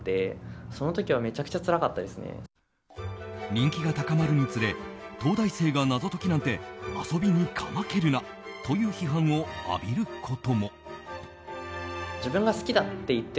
人気が高まるにつれ東大生が謎解きなんて遊びにかまけるなという批判を浴びることも。